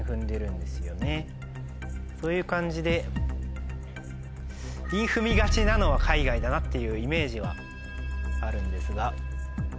そういう感じで韻踏みがちなのは海外だなっていうイメージはあるんですが。